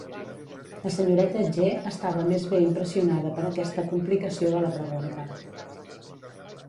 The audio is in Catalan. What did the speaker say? La senyoreta G. estava més bé impressionada per aquesta complicació de la pregunta.